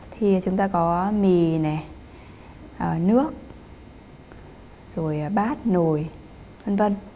thì chúng ta có mì nè nước rồi bát nồi vân vân